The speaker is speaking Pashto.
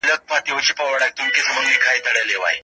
هغه څوک چي شرمیږي ژر په ستونزو کي راګیر کیږي.